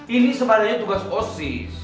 ini sebenarnya tugas osis